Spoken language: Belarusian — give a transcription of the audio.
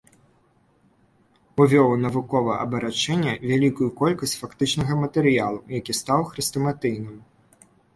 Увёў у навуковае абарачэнне вялікую колькасць фактычнага матэрыялу, які стаў хрэстаматыйным.